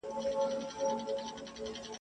چي ورور دي وژني ته ورته خاندې ..